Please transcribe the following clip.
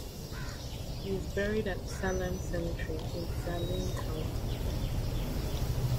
He is buried at Salem Cemetery in Saline County.